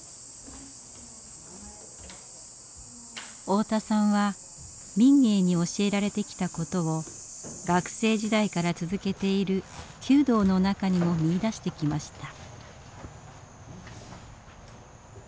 太田さんは民藝に教えられてきたことを学生時代から続けている弓道の中にも見いだしてきました。